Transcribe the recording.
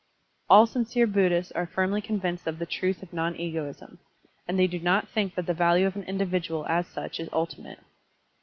All sincere Buddhists are firmly convinced of the truth of non egoism, and they do not think that the value of an individual as such is tdti mate.